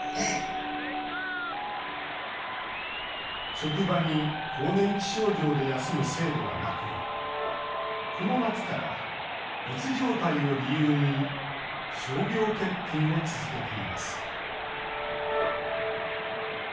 職場に更年期症状で休む制度はなくこの夏から、うつ状態を理由に傷病欠勤を続けています